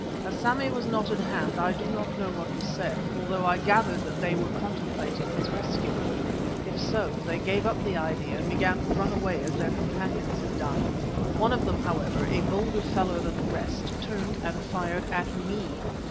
As Sammy was not at hand I do not know what was said, although I gathered that they were contemplating his rescue. If so, they gave up the idea and began to run away as their companions had done. One of them, however, a bolder fellow than the rest, turned and fired at me.